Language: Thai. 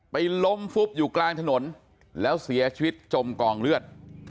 ล้มฟุบอยู่กลางถนนแล้วเสียชีวิตจมกองเลือด